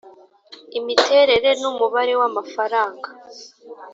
imiterere n umubare w amafaranga